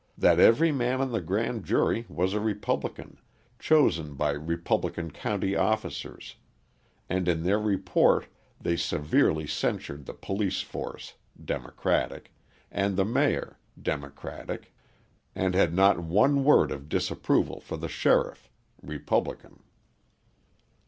that every man on the grand jury was a Republican, chosen by Republican county officers, and in their report they severely censured the police force (Democratic), and the mayor (Democratic), and had not one word of disapproval for the sheriff (Republican).